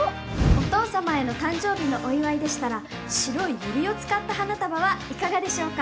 お父様への誕生日のお祝いでしたら白いユリを使った花束はいかがでしょうか？